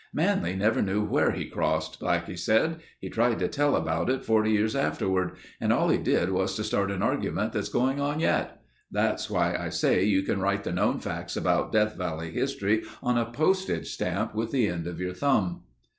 "Manly never knew where he crossed," Blackie said. "He tried to tell about it 40 years afterward and all he did was to start an argument that's going on yet. That's why I say you can write the known facts about Death Valley history on a postage stamp with the end of your thumb."